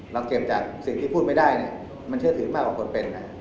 เราเก็บจากสิ่งที่พูดไม่ได้มันเชื่อถือมากกว่าคนเป็น